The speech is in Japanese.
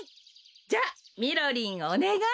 じゃみろりんおねがい。